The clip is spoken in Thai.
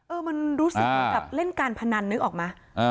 เออมันรู้สึกแบบเล่นการพนันนึกออกมา